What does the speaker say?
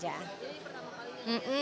jadi pertama kali ini ya